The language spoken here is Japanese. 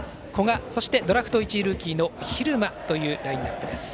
そしてドラフト１位ルーキーの蛭間というラインアップです。